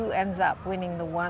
siapa yang akan menangkan satu jutaan